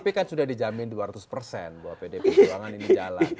tapi kan sudah dijamin dua ratus bahwa pdi berjuangan ini jalan